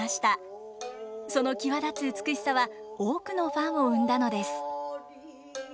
その際立つ美しさは多くのファンを生んだのです。